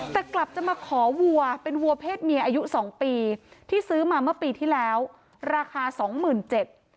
แต่กลับจะมาขอวัวเป็นวัวเพศเมียอายุ๒ปีที่ซื้อมาเมื่อปีที่แล้วราคา๒๗๐๐๐บาท